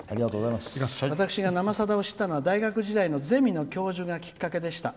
私が「生さだ」を知ったのは大学時代のゼミの教授がきっかけでした。